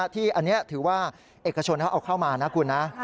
ที่อันนี้ถือว่าเอกชนเขาเอาเข้ามานะคุณนะ